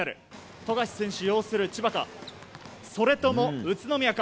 富樫選手擁する千葉かそれとも宇都宮か。